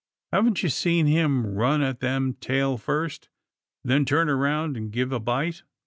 " Haven't you seen him run at them tail first, then turn round and give a bite."